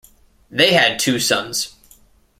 They had two sons.